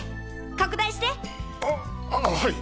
拡大して！ははい。